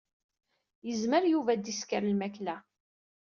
Yezmer Yuba ad isker lmakla.